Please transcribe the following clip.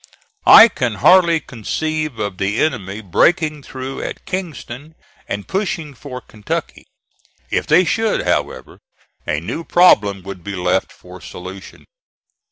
I can hardly conceive of the enemy breaking through at Kingston and pushing for Kentucky. If they should, however, a new problem would be left for solution.